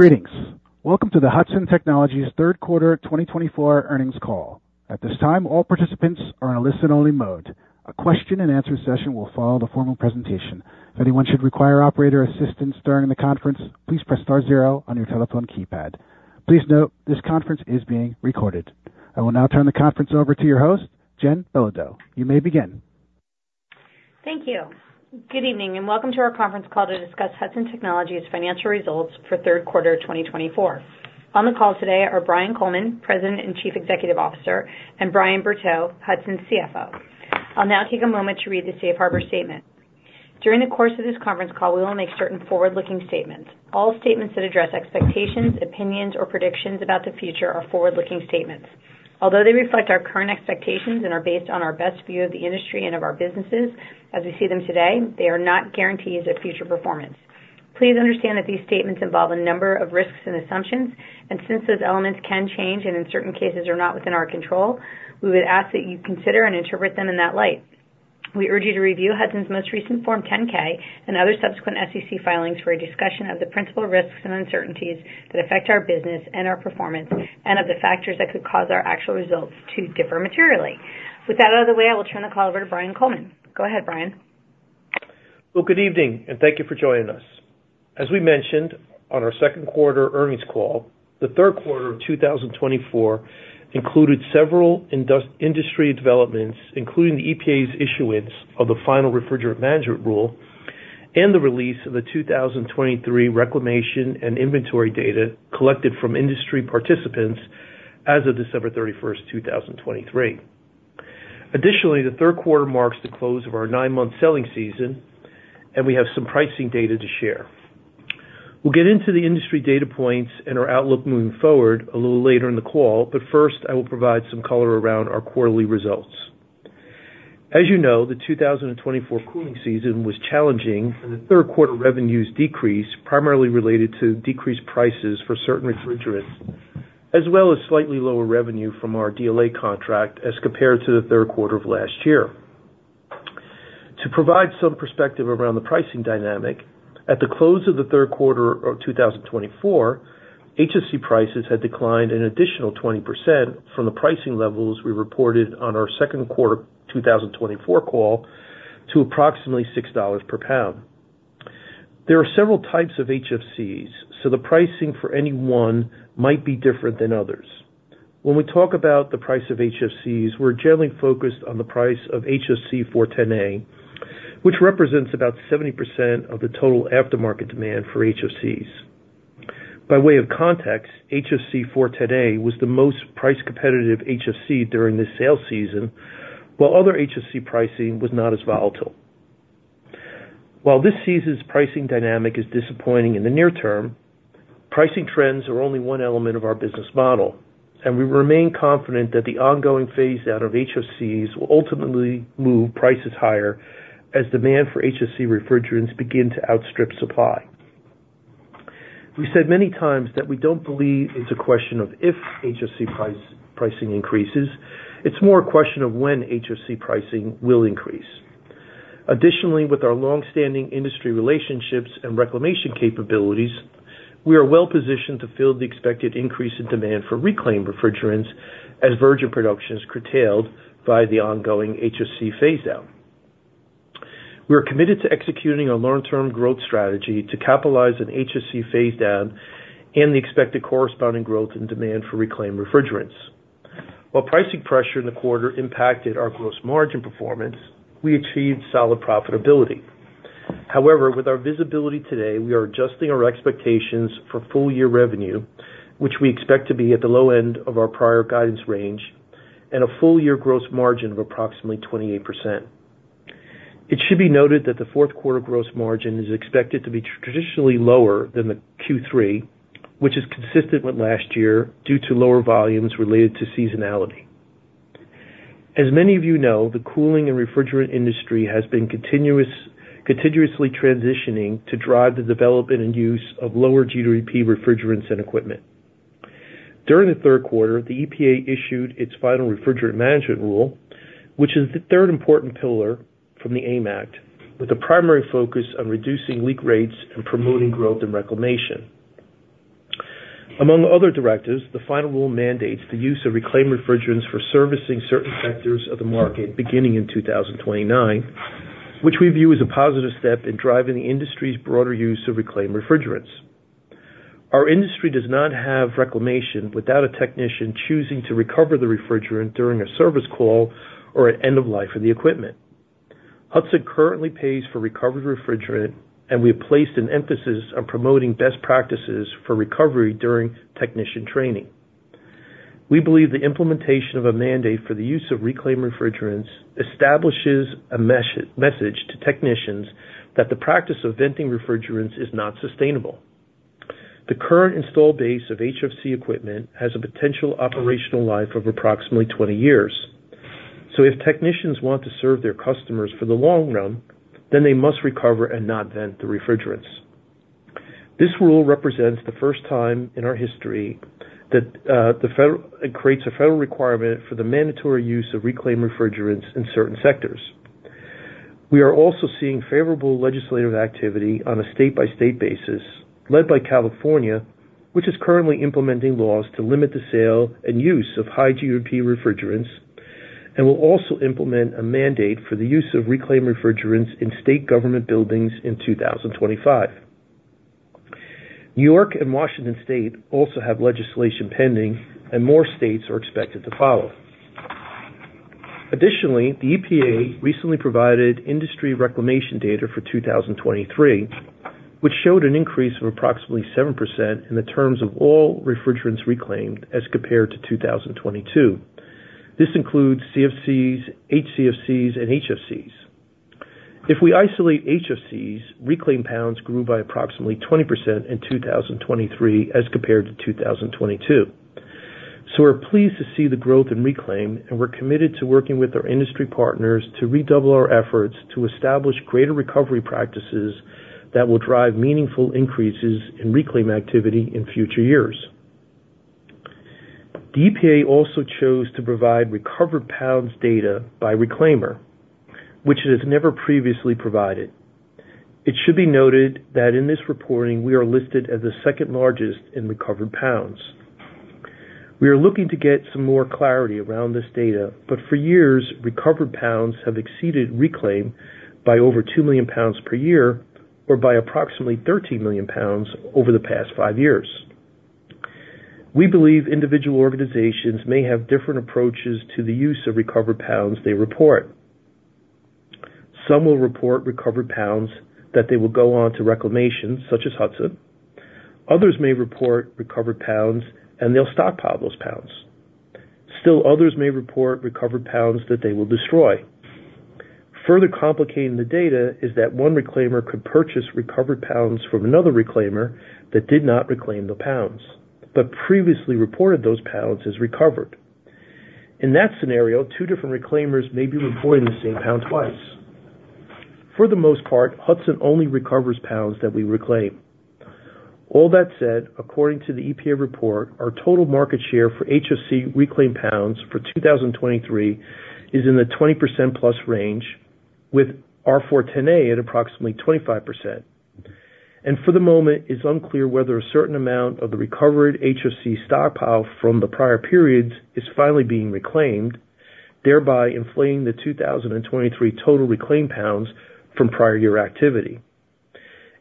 Greetings. Welcome to the Hudson Technologies' third quarter 2024 earnings call. At this time, all participants are in a listen-only mode. A question-and-answer session will follow the formal presentation. If anyone should require operator assistance during the conference, please press star zero on your telephone keypad. Please note this conference is being recorded. I will now turn the conference over to your host, Jen Bilodeau. You may begin. Thank you. Good evening and welcome to our conference call to discuss Hudson Technologies' financial results for third quarter 2024. On the call today are Brian Coleman, President and Chief Executive Officer, and Brian Bertaux, Hudson's CFO. I'll now take a moment to read the Safe Harbor Statement. During the course of this conference call, we will make certain forward-looking statements. All statements that address expectations, opinions, or predictions about the future are forward-looking statements. Although they reflect our current expectations and are based on our best view of the industry and of our businesses as we see them today, they are not guarantees of future performance. Please understand that these statements involve a number of risks and assumptions, and since those elements can change and in certain cases are not within our control, we would ask that you consider and interpret them in that light. We urge you to review Hudson's most recent Form 10-K and other subsequent SEC filings for a discussion of the principal risks and uncertainties that affect our business and our performance and of the factors that could cause our actual results to differ materially. With that out of the way, I will turn the call over to Brian Coleman. Go ahead, Brian. Well, good evening and thank you for joining us. As we mentioned on our second quarter earnings call, the third quarter of 2024 included several industry developments, including the EPA's issuance of the final refrigerant management rule and the release of the 2023 reclamation and inventory data collected from industry participants as of December 31st, 2023. Additionally, the third quarter marks the close of our nine-month selling season, and we have some pricing data to share. We'll get into the industry data points and our outlook moving forward a little later in the call, but first, I will provide some color around our quarterly results. As you know, the 2024 cooling season was challenging, and the third quarter revenues decreased primarily related to decreased prices for certain refrigerants, as well as slightly lower revenue from our DLA contract as compared to the third quarter of last year. To provide some perspective around the pricing dynamic, at the close of the third quarter of 2024, HFC prices had declined an additional 20% from the pricing levels we reported on our second quarter 2024 call to approximately $6 per pound. There are several types of HFCs, so the pricing for any one might be different than others. When we talk about the price of HFCs, we're generally focused on the price of HFC 410A, which represents about 70% of the total aftermarket demand for HFCs. By way of context, HFC 410A was the most price-competitive HFC during this sales season, while other HFC pricing was not as volatile. While this season's pricing dynamic is disappointing in the near term, pricing trends are only one element of our business model, and we remain confident that the ongoing phase-out of HFCs will ultimately move prices higher as demand for HFC refrigerants begins to outstrip supply. We said many times that we don't believe it's a question of if HFC pricing increases. It's more a question of when HFC pricing will increase. Additionally, with our long-standing industry relationships and reclamation capabilities, we are well-positioned to fill the expected increase in demand for reclaimed refrigerants as virgin production is curtailed by the ongoing HFC phase-out. We are committed to executing a long-term growth strategy to capitalize on HFC phase-out and the expected corresponding growth in demand for reclaimed refrigerants. While pricing pressure in the quarter impacted our gross margin performance, we achieved solid profitability. However, with our visibility today, we are adjusting our expectations for full-year revenue, which we expect to be at the low end of our prior guidance range, and a full-year gross margin of approximately 28%. It should be noted that the fourth quarter gross margin is expected to be traditionally lower than the Q3, which is consistent with last year due to lower volumes related to seasonality. As many of you know, the cooling and refrigerant industry has been continuously transitioning to drive the development and use of lower GWP refrigerants and equipment. During the third quarter, the EPA issued its final refrigerant management rule, which is the third important pillar from the AIM Act, with a primary focus on reducing leak rates and promoting growth and reclamation. Among other directives, the final rule mandates the use of reclaimed refrigerants for servicing certain sectors of the market beginning in 2029, which we view as a positive step in driving the industry's broader use of reclaimed refrigerants. Our industry does not have reclamation without a technician choosing to recover the refrigerant during a service call or at end-of-life of the equipment. Hudson currently pays for recovered refrigerant, and we have placed an emphasis on promoting best practices for recovery during technician training. We believe the implementation of a mandate for the use of reclaimed refrigerants establishes a message to technicians that the practice of venting refrigerants is not sustainable. The current install base of HFC equipment has a potential operational life of approximately 20 years, so if technicians want to serve their customers for the long run, then they must recover and not vent the refrigerants. This rule represents the first time in our history that it creates a federal requirement for the mandatory use of reclaimed refrigerants in certain sectors. We are also seeing favorable legislative activity on a state-by-state basis led by California, which is currently implementing laws to limit the sale and use of high GWP refrigerants, and will also implement a mandate for the use of reclaimed refrigerants in state government buildings in 2025. New York and Washington State also have legislation pending, and more states are expected to follow. Additionally, the EPA recently provided industry reclamation data for 2023, which showed an increase of approximately 7% in terms of all refrigerants reclaimed as compared to 2022. This includes CFCs, HCFCs, and HFCs. If we isolate HFCs, reclaimed pounds grew by approximately 20% in 2023 as compared to 2022. So we're pleased to see the growth in reclaim, and we're committed to working with our industry partners to redouble our efforts to establish greater recovery practices that will drive meaningful increases in reclaim activity in future years. The EPA also chose to provide recovered pounds data by reclaimer, which it has never previously provided. It should be noted that in this reporting, we are listed as the second largest in recovered pounds. We are looking to get some more clarity around this data, but for years, recovered pounds have exceeded reclaim by over 2 million lbs per year or by approximately 13 million lbs over the past five years. We believe individual organizations may have different approaches to the use of recovered pounds they report. Some will report recovered pounds that they will go on to reclamation, such as Hudson. Others may report recovered pounds, and they'll stockpile those pounds. Still, others may report recovered pounds that they will destroy. Further complicating the data is that one reclaimer could purchase recovered pounds from another reclaimer that did not reclaim the pounds, but previously reported those pounds as recovered. In that scenario, two different reclaimers may be reporting the same pound twice. For the most part, Hudson only recovers pounds that we reclaim. All that said, according to the EPA report, our total market share for HFC reclaimed pounds for 2023 is in the 20%-plus range, with our 410A at approximately 25%. And for the moment, it's unclear whether a certain amount of the recovered HFC stockpile from the prior periods is finally being reclaimed, thereby inflating the 2023 total reclaimed pounds from prior year activity.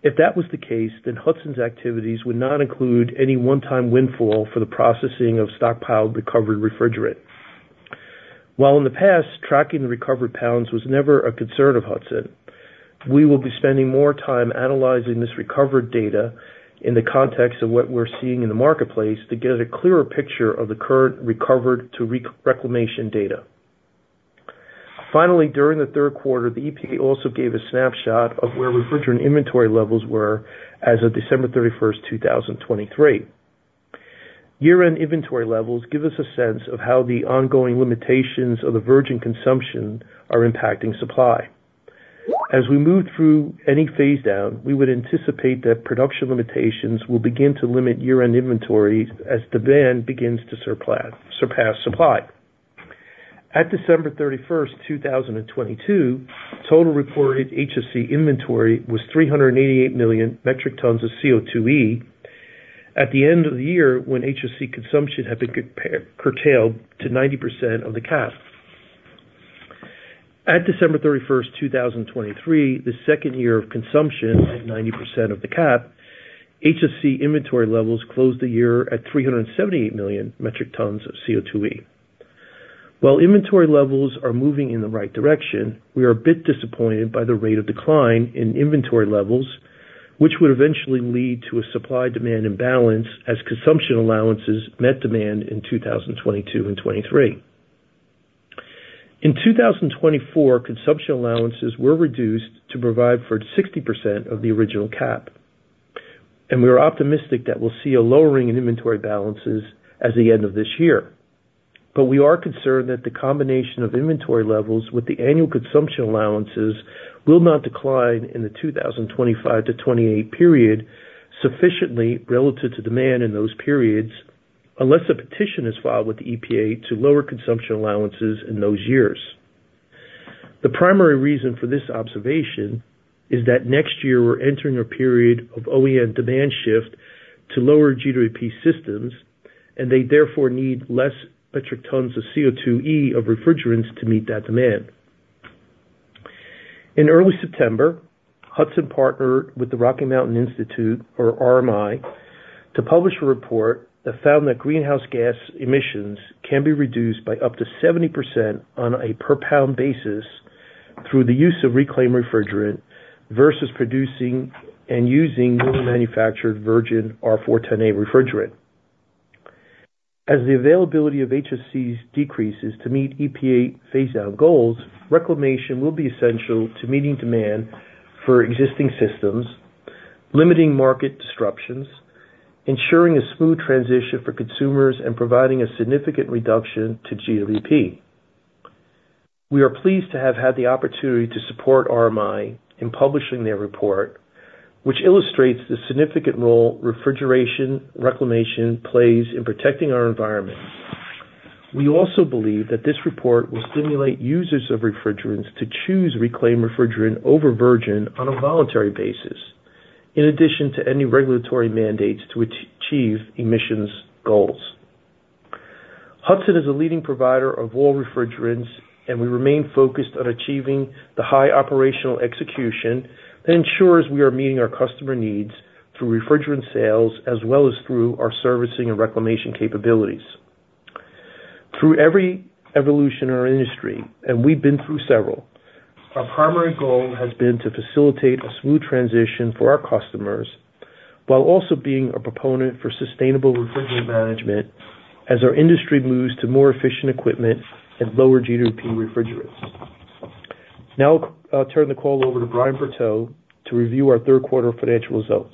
If that was the case, then Hudson's activities would not include any one-time windfall for the processing of stockpiled recovered refrigerant. While in the past, tracking the recovered pounds was never a concern of Hudson, we will be spending more time analyzing this recovered data in the context of what we're seeing in the marketplace to get a clearer picture of the current recovered-to-reclamation data. Finally, during the third quarter, the EPA also gave a snapshot of where refrigerant inventory levels were as of December 31st, 2023. Year-end inventory levels give us a sense of how the ongoing limitations of the virgin consumption are impacting supply. As we move through any phase-out, we would anticipate that production limitations will begin to limit year-end inventory as demand begins to surpass supply. At December 31st, 2022, total reported HFC inventory was 388 million metric tons of CO2e at the end of the year when HFC consumption had been curtailed to 90% of the cap. At December 31st, 2023, the second year of consumption at 90% of the cap, HFC inventory levels closed the year at 378 million metric tons of CO2e. While inventory levels are moving in the right direction, we are a bit disappointed by the rate of decline in inventory levels, which would eventually lead to a supply-demand imbalance as consumption allowances met demand in 2022 and 2023. In 2024, consumption allowances were reduced to provide for 60% of the original cap, and we are optimistic that we'll see a lowering in inventory balances as the end of this year. But we are concerned that the combination of inventory levels with the annual consumption allowances will not decline in the 2025 to 2028 period sufficiently relative to demand in those periods unless a petition is filed with the EPA to lower consumption allowances in those years. The primary reason for this observation is that next year, we're entering a period of OEM demand shift to lower GWP systems, and they therefore need less metric tons of CO2e of refrigerants to meet that demand. In early September, Hudson partnered with the Rocky Mountain Institute, or RMI, to publish a report that found that greenhouse gas emissions can be reduced by up to 70% on a per-pound basis through the use of reclaimed refrigerant versus producing and using newly manufactured virgin R-410A refrigerant. As the availability of HFCs decreases to meet EPA phase-out goals, reclamation will be essential to meeting demand for existing systems, limiting market disruptions, ensuring a smooth transition for consumers, and providing a significant reduction to GWP. We are pleased to have had the opportunity to support RMI in publishing their report, which illustrates the significant role refrigerant reclamation plays in protecting our environment. We also believe that this report will stimulate users of refrigerants to choose reclaimed refrigerant over virgin on a voluntary basis, in addition to any regulatory mandates to achieve emissions goals. Hudson is a leading provider of all refrigerants, and we remain focused on achieving the high operational execution that ensures we are meeting our customer needs through refrigerant sales as well as through our servicing and reclamation capabilities. Through every evolution in our industry, and we've been through several, our primary goal has been to facilitate a smooth transition for our customers while also being a proponent for sustainable refrigerant management as our industry moves to more efficient equipment and lower GWP refrigerants. Now I'll turn the call over to Brian Bertaux to review our third quarter financial results.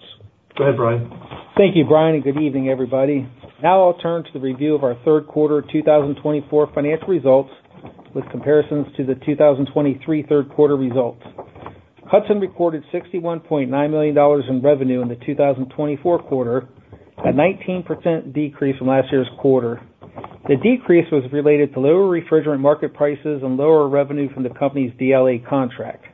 Go ahead, Brian. Thank you, Brian, and good evening, everybody. Now I'll turn to the review of our third quarter 2024 financial results with comparisons to the 2023 third quarter results. Hudson reported $61.9 million in revenue in the 2024 quarter, a 19% decrease from last year's quarter. The decrease was related to lower refrigerant market prices and lower revenue from the company's DLA contract.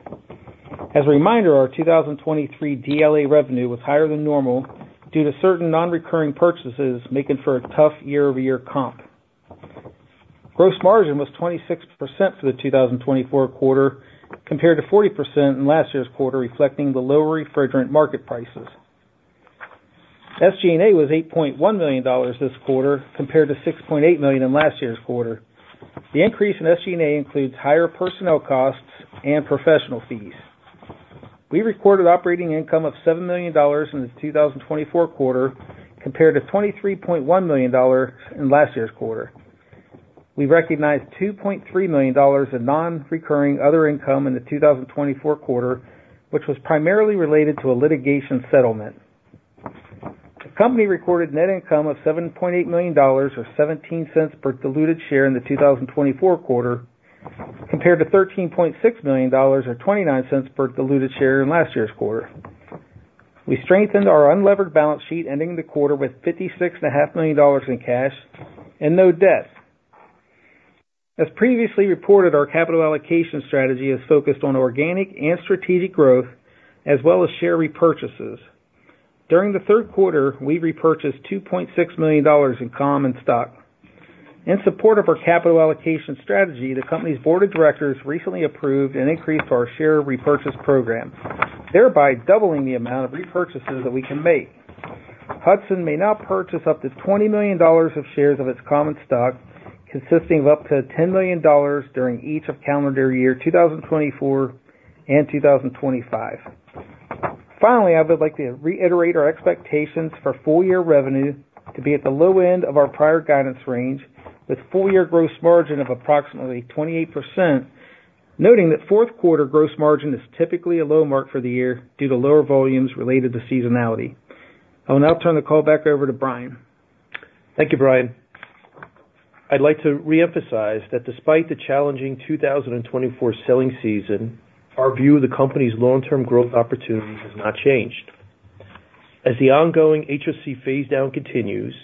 As a reminder, our 2023 DLA revenue was higher than normal due to certain non-recurring purchases making for a tough year-over-year comp. Gross margin was 26% for the 2024 quarter, compared to 40% in last year's quarter, reflecting the lower refrigerant market prices. SG&A was $8.1 million this quarter, compared to $6.8 million in last year's quarter. The increase in SG&A includes higher personnel costs and professional fees. We recorded operating income of $7 million in the 2024 quarter, compared to $23.1 million in last year's quarter. We recognized $2.3 million in non-recurring other income in the 2024 quarter, which was primarily related to a litigation settlement. The company recorded net income of $7.8 million, or $0.17 per diluted share, in the 2024 quarter, compared to $13.6 million, or $0.29 per diluted share, in last year's quarter. We strengthened our unlevered balance sheet ending the quarter with $56.5 million in cash and no debt. As previously reported, our capital allocation strategy is focused on organic and strategic growth, as well as share repurchases. During the third quarter, we repurchased $2.6 million in common stock. In support of our capital allocation strategy, the company's board of directors recently approved and increased our share repurchase program, thereby doubling the amount of repurchases that we can make. Hudson may now purchase up to $20 million of shares of its common stock, consisting of up to $10 million during each of calendar year 2024 and 2025. Finally, I would like to reiterate our expectations for full-year revenue to be at the low end of our prior guidance range, with full-year gross margin of approximately 28%, noting that fourth quarter gross margin is typically a low mark for the year due to lower volumes related to seasonality. I will now turn the call back over to Brian. Thank you, Brian. I'd like to reemphasize that despite the challenging 2024 selling season, our view of the company's long-term growth opportunities has not changed. As the ongoing HFC phase-out continues,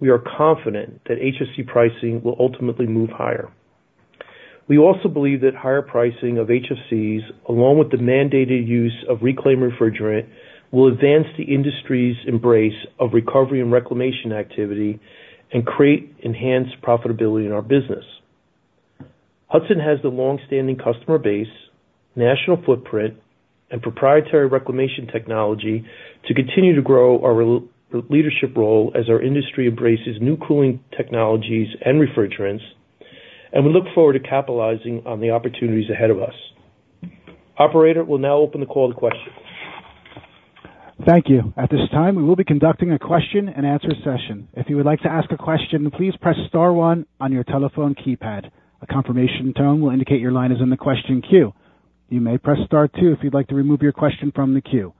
we are confident that HFC pricing will ultimately move higher. We also believe that higher pricing of HFCs, along with the mandated use of reclaimed refrigerant, will advance the industry's embrace of recovery and reclamation activity and create enhanced profitability in our business. Hudson has the long-standing customer base, national footprint, and proprietary reclamation technology to continue to grow our leadership role as our industry embraces new cooling technologies and refrigerants, and we look forward to capitalizing on the opportunities ahead of us. Operator will now open the call to questions. Thank you. At this time, we will be conducting a question-and-answer session. If you would like to ask a question, please press star one on your telephone keypad. A confirmation tone will indicate your line is in the question queue. You may press star two if you'd like to remove your question from the queue.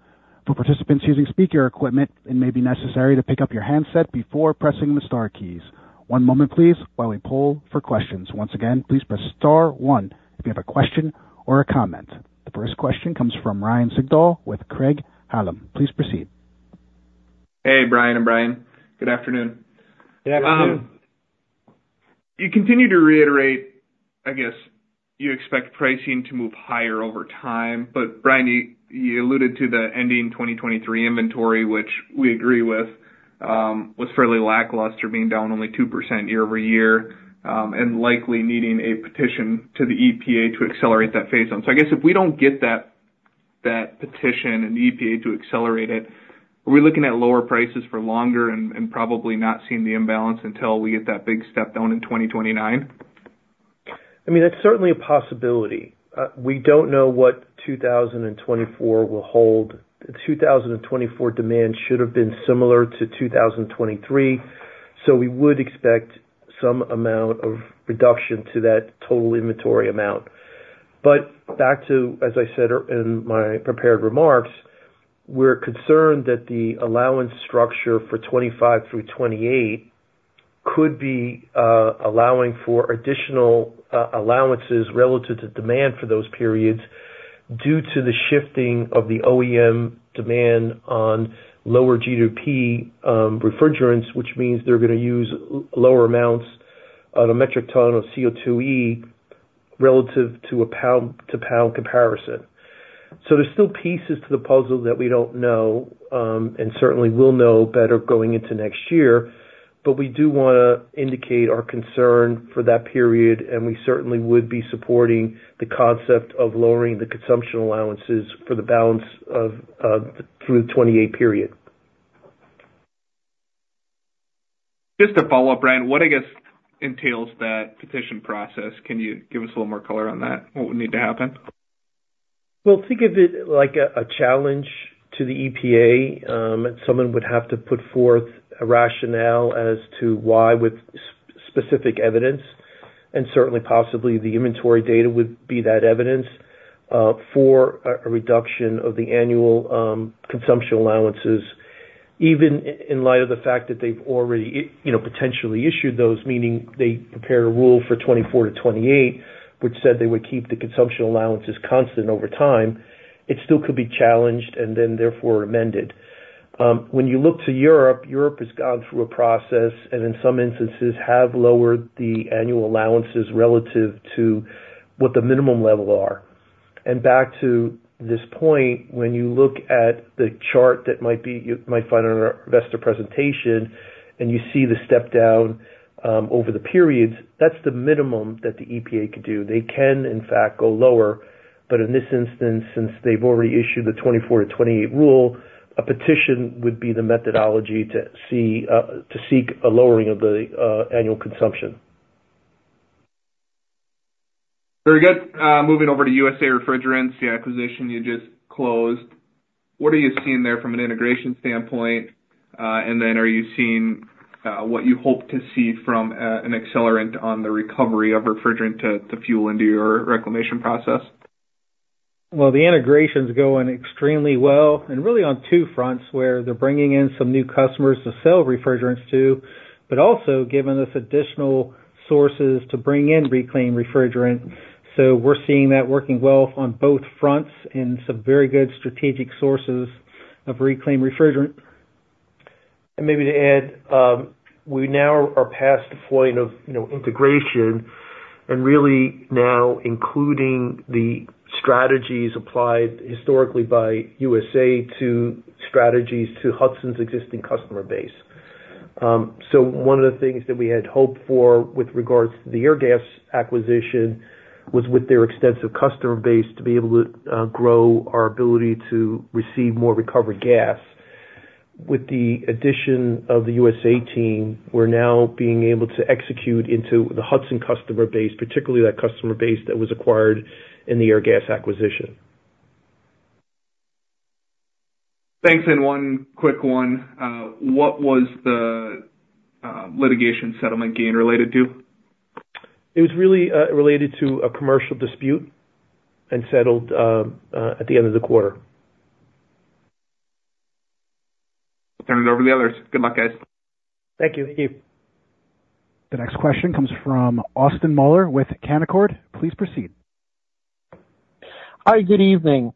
For participants using speaker equipment, it may be necessary to pick up your handset before pressing the star keys. One moment, please, while we poll for questions. Once again, please press star one if you have a question or a comment. The first question comes from Ryan Sigdahl with Craig-Hallum. Please proceed. Hey, Brian and Brian. Good afternoon. Good afternoon. You continue to reiterate, I guess, you expect pricing to move higher over time. But Brian, you alluded to the ending 2023 inventory, which we agree with, was fairly lackluster, being down only 2% year-over-year, and likely needing a petition to the EPA to accelerate that phase-out. So I guess if we don't get that petition and the EPA to accelerate it, are we looking at lower prices for longer and probably not seeing the imbalance until we get that big step down in 2029? I mean, that's certainly a possibility. We don't know what 2024 will hold. The 2024 demand should have been similar to 2023, so we would expect some amount of reduction to that total inventory amount. But back to, as I said in my prepared remarks, we're concerned that the allowance structure for 2025 through 2028 could be allowing for additional allowances relative to demand for those periods due to the shifting of the OEM demand on lower GWP refrigerants, which means they're going to use lower amounts of a metric ton of CO2e relative to a pound-to-pound comparison. So there's still pieces to the puzzle that we don't know and certainly will know better going into next year, but we do want to indicate our concern for that period, and we certainly would be supporting the concept of lowering the consumption allowances for the balance of through the '28 period. Just to follow up, Brian, what I guess entails that petition process? Can you give us a little more color on that? What would need to happen? Well, think of it like a challenge to the EPA. Someone would have to put forth a rationale as to why with specific evidence, and certainly possibly the inventory data would be that evidence for a reduction of the annual consumption allowances, even in light of the fact that they've already potentially issued those, meaning they prepared a rule for 2024-2028, which said they would keep the consumption allowances constant over time. It still could be challenged and then therefore amended. When you look to Europe, Europe has gone through a process and in some instances have lowered the annual allowances relative to what the minimum levels are, and back to this point, when you look at the chart that you might find on our investor presentation and you see the step down over the periods, that's the minimum that the EPA could do. They can, in fact, go lower, but in this instance, since they've already issued the 2024-2028 rule, a petition would be the methodology to seek a lowering of the annual consumption. Very good. Moving over to USA Refrigerants, the acquisition you just closed. What are you seeing there from an integration standpoint? And then are you seeing what you hope to see from an accelerant on the recovery of refrigerant to fuel into your reclamation process? Well, the integration's going extremely well and really on two fronts where they're bringing in some new customers to sell refrigerants to, but also giving us additional sources to bring in reclaimed refrigerant. So we're seeing that working well on both fronts and some very good strategic sources of reclaimed refrigerant. And maybe to add, we now are past the point of integration and really now including the strategies applied historically by USA to strategies to Hudson's existing customer base. So one of the things that we had hoped for with regards to the Airgas acquisition was with their extensive customer base to be able to grow our ability to receive more recovered gas. With the addition of the USA team, we're now being able to execute into the Hudson customer base, particularly that customer base that was acquired in the Airgas acquisition. Thanks. And one quick one. What was the litigation settlement gain related to? It was really related to a commercial dispute and settled at the end of the quarter. Turn it over to the others. Good luck, guys. Thank you. Thank you. The next question comes from Austin Moeller with Canaccord. Please proceed. Hi. Good evening.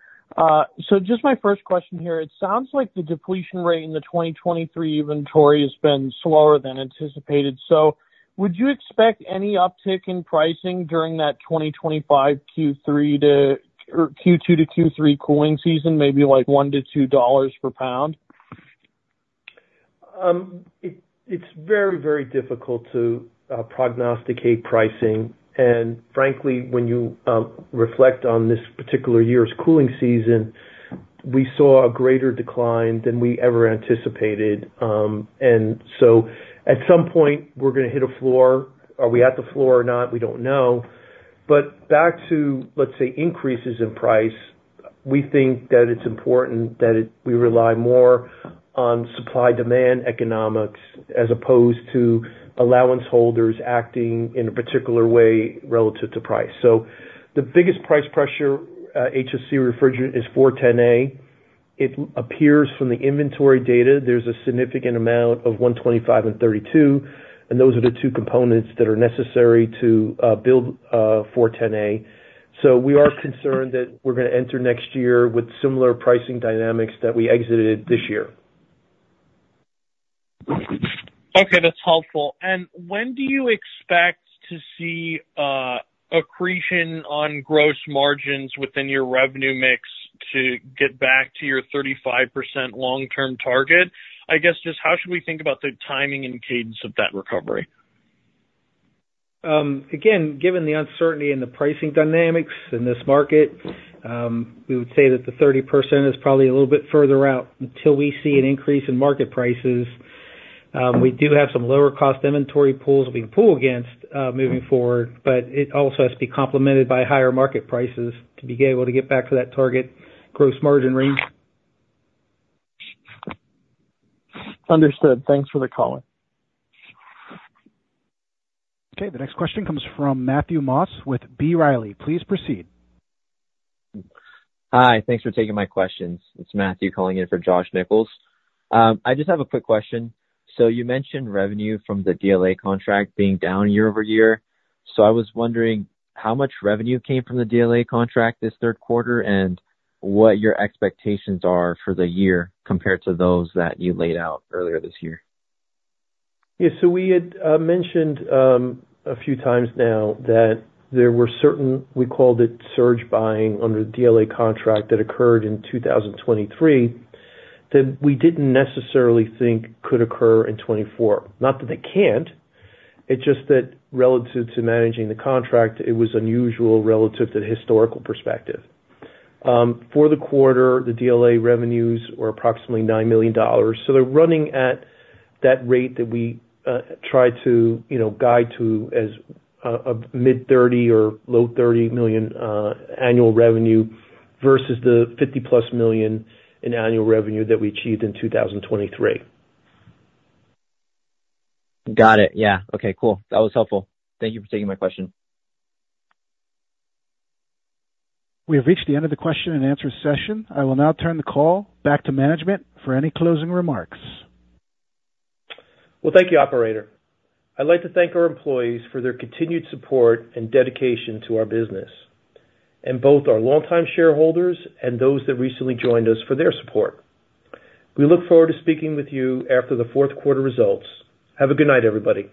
So just my first question here. It sounds like the depletion rate in the 2023 inventory has been slower than anticipated. So would you expect any uptick in pricing during that 2025 Q2-Q3 cooling season, maybe like $1-$2 per pound? It's very, very difficult to prognosticate pricing. And frankly, when you reflect on this particular year's cooling season, we saw a greater decline than we ever anticipated. And so at some point, we're going to hit a floor. Are we at the floor or not? We don't know. But back to, let's say, increases in price, we think that it's important that we rely more on supply-demand economics as opposed to allowance holders acting in a particular way relative to price. So the biggest price pressure HFC refrigerant is 410A. It appears from the inventory data. There's a significant amount of 125 and 32, and those are the two components that are necessary to build 410A. So we are concerned that we're going to enter next year with similar pricing dynamics that we exited this year. Okay. That's helpful. And when do you expect to see accretion on gross margins within your revenue mix to get back to your 35% long-term target? I guess just how should we think about the timing and cadence of that recovery? Again, given the uncertainty in the pricing dynamics in this market, we would say that the 30% is probably a little bit further out until we see an increase in market prices. We do have some lower-cost inventory pools we can pull against moving forward, but it also has to be complemented by higher market prices to be able to get back to that target gross margin range. Understood. Thanks for the call. Okay. The next question comes from Matthew Moss with B. Riley. Please proceed. Hi. Thanks for taking my questions. It's Matthew calling in from Josh Nichols. I just have a quick question. So you mentioned revenue from the DLA contract being down year-over-year. So I was wondering how much revenue came from the DLA contract this third quarter and what your expectations are for the year compared to those that you laid out earlier this year. Yeah. So we had mentioned a few times now that there were certain, we called it surge buying under the DLA contract that occurred in 2023, that we didn't necessarily think could occur in 2024. Not that they can't. It's just that relative to managing the contract, it was unusual relative to the historical perspective. For the quarter, the DLA revenues were approximately $9 million. So they're running at that rate that we tried to guide to as a mid-$30 or low-$30 million annual revenue versus the $50-plus million in annual revenue that we achieved in 2023. Got it. Yeah. Okay. Cool. That was helpful. Thank you for taking my question. We have reached the end of the question and answer session. I will now turn the call back to management for any closing remarks. Well, thank you, Operator. I'd like to thank our employees for their continued support and dedication to our business, and both our longtime shareholders and those that recently joined us for their support. We look forward to speaking with you after the fourth quarter results. Have a good night, everybody.